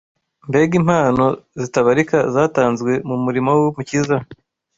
Mbega impano zitabarika zatanzwe mu murimo w’Umukiza